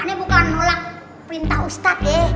aneh bukan nolak perintah ustaz ya